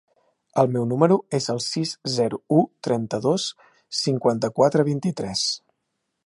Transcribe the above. El meu número es el sis, zero, u, trenta-dos, cinquanta-quatre, vint-i-tres.